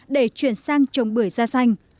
để chuyển sang trồng bưởi ra xanh